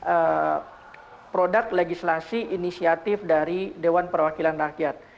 dan ini akan menjadi produk legislasi inisiatif dari dewan perwakilan rakyat